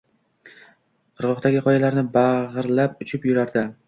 qirg‘oqdagi qoyalarni bag‘irlab uchib yurardi.